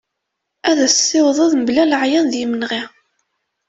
Ad as-tessiwḍeḍ mebla leɛyaḍ d yimenɣi.